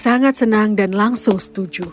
sangat senang dan langsung setuju